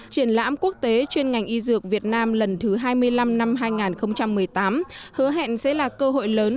triển lãm quốc tế chuyên ngành y dược việt nam lần thứ hai mươi năm năm hai nghìn một mươi tám hứa hẹn sẽ là cơ hội lớn